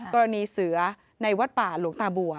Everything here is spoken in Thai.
กรณีเสือในวัดป่าหลวงตาบัว